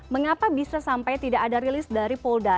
mengapa bisa sampai tidak ada rilis dari polda